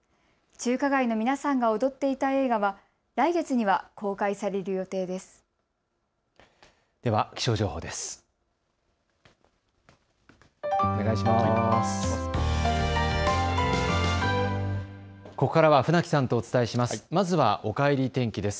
中華街の皆さんが踊っていた映画は来月には公開される予定です。